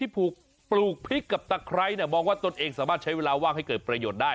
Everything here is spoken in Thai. ปลูกพริกกับตะไคร้มองว่าตนเองสามารถใช้เวลาว่างให้เกิดประโยชน์ได้